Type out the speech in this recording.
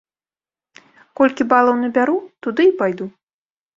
Колькі балаў набяру, туды і пайду.